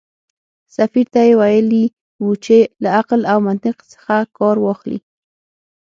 سفیر ته یې ویلي و چې له عقل او منطق څخه کار واخلي.